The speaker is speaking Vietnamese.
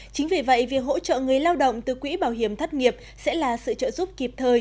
chính vì vậy việc hỗ trợ người lao động từ quỹ bảo hiểm thất nghiệp sẽ là sự trợ giúp kịp thời